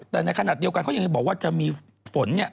แต่ในขณะเดียวกันเขายังบอกว่าจะมีฝนเนี่ย